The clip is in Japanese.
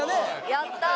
やったー！